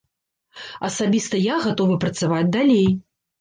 Асабіста я гатовы працаваць далей.